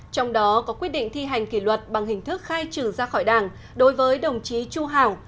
trong đó có quyết định thi hành kỷ luật bằng hình thức khai trừ ra khỏi đảng đối với đồng chí chu hảo